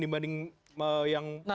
dibanding yang partai tidak